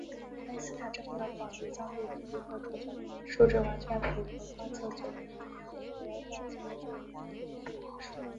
爱因斯坦证明了广义相对论预测出的数值完全符合观测所得的近日点位移数值。